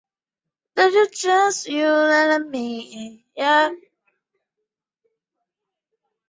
建构亚太金融中心